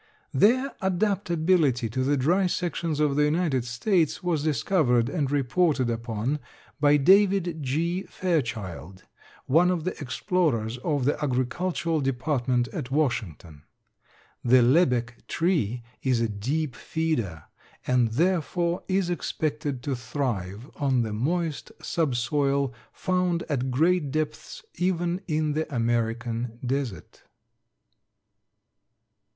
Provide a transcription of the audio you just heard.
Their adaptability to the dry sections of the United States was discovered and reported upon by David G. Fairchild, one of the explorers for the agricultural department at Washington. The lebbek tree is a deep feeder and therefore is expected to thrive on the moist subsoil found at great depths even in the American desert.